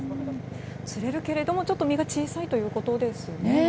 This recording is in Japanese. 釣れるけれどもちょっと身が小さいということですね。